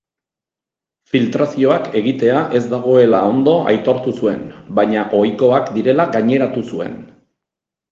Filtrazioak egitea ez dagoela ondo aitortu zuen, baina ohikoak direla gaineratu zuen.